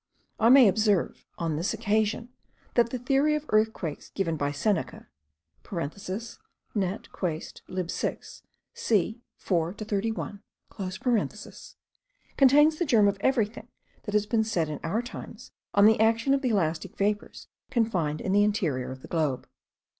I may observe on this occasion, that the theory of earthquakes, given by Seneca, (Nat. Quaest. lib. 6 c. 4 31), contains the germ of everything that has been said in our times on the action of the elastic vapours confined in the interior of the globe.)